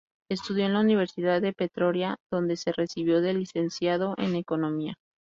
Estudió en la Universidad de Pretoria donde se recibió de licenciado en economía.